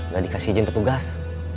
gak dikasih izin petugas